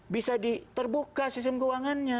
bisa terbuka sistem keuangannya